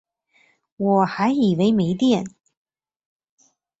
我还以为没电